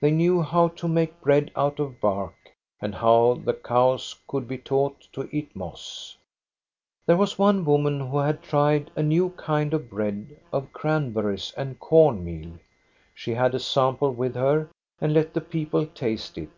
They knew how to make bread out of bark, and how the cows could be taught to eat moss. There was one woman who had tried a new kind of bread of cranberries and corn meal. She had a sample with her, and let the people taste it.